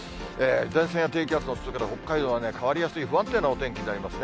前線や低気圧の通過で、北海道は変わりやすい不安定なお天気になりますね。